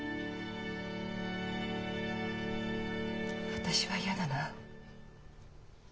私は嫌だな。